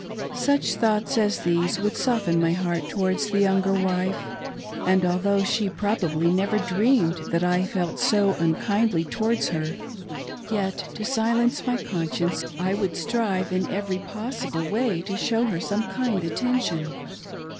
Such thoughts as these would soften my heart towards the young wife, and although she probably never dreamed that I had felt unkindly towards her, yet, to silence my conscience, I would strive in every possible way to show her some kind attention.